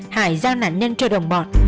hải giao nạn nhân trơ đồng bọt